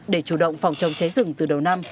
để chủ động phòng trồng cháy rừng từ đầu năm